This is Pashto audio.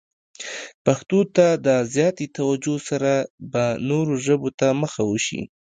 پښتو ته د زیاتې توجه سره به نورو ژبو ته مخه وشي.